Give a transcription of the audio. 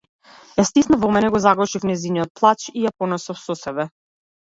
Ја стиснав во мене, го загушив нејзиниот плач и ја понесов со себе.